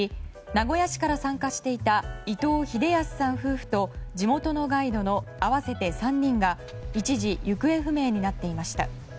名古屋市から参加していた伊東秀恭さん夫婦と地元のガイドの合わせて３人が一時行方不明になっていました。